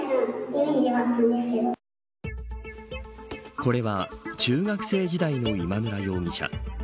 これは中学生時代の今村容疑者。